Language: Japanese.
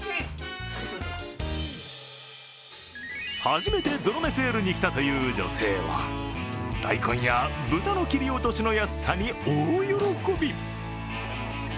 初めてゾロ目セールに来たという女性は大根や豚の切り落としの安さに大喜び。